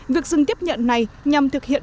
việc dừng tiếp nhận này nhằm thực hiện